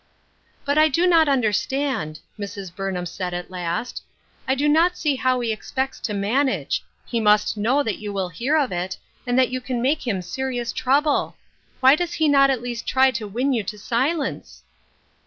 " But I do not understand," Mrs. Burnham said at last ;" I do not see how he expects to manage ; he must know that you will hear of it, and that you can make him serious trouble. Why does he not at least try to win you to silence